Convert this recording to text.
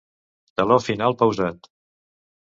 Teló final pausat.